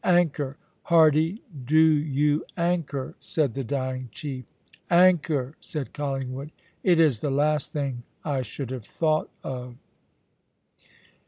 "Anchor! Hardy, do you anchor!" said the dying chief. "Anchor!" said Collingwood. "It is the last thing I should have thought of."